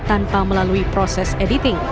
tanpa melalui proses editing